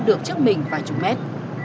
được chức mình vài chục mét